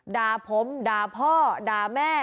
ด่าผมด่าพ่อด่าแม่